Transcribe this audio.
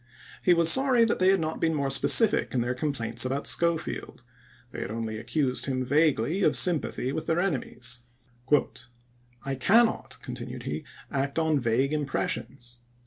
He was sorry they had not been more specific in their complaints about Schofield ; they had only accused him vaguely of sympathy with their enemies. "I cannot," continued he, " act on vague impressions.